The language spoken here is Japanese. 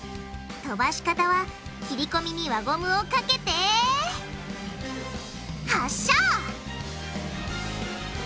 飛ばし方は切り込みに輪ゴムをかけて発射！